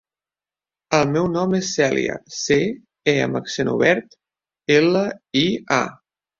El meu nom és Cèlia: ce, e amb accent obert, ela, i, a.